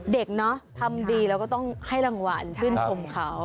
เด็กเนอะทำดีแล้วก็ต้องให้รางวัลชื่นชมเขา